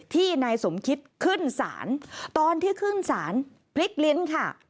นายสมคิดขึ้นศาลตอนที่ขึ้นศาลพลิกลิ้นค่ะ